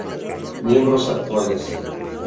Miembros actuales